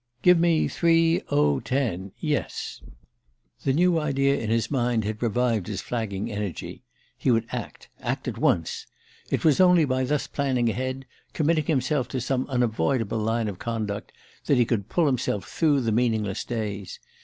"Give me three o ten ... yes." The new idea in his mind had revived his flagging energy. He would act act at once. It was only by thus planning ahead, committing himself to some unavoidable line of conduct, that he could pull himself through the meaningless days.